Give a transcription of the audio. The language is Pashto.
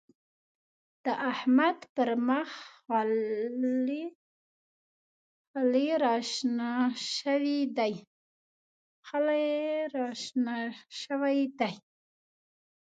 د احمد پر مخ خلي راشنه شوي دی.